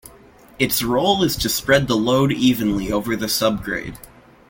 Its role is to spread the load evenly over the subgrade.